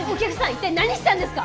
一体何したんですか！？